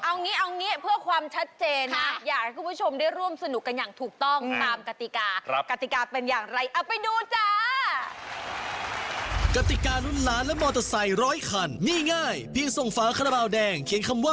เอางี้เอางี้เพื่อความชัดเจนนะอยากให้คุณผู้ชมได้ร่วมสนุกกันอย่างถูกต้องตามกฎิกา